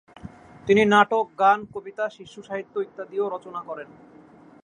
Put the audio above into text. তিনি নাটক, গান, কবিতা, শিশু সাহিত্য ইত্যাদিও রচনা করেন।